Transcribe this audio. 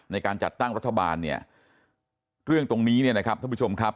ในการจัดตั้งรัฐบาลเนี่ยเรื่องตรงนี้เนี่ยนะครับท่านผู้ชมครับ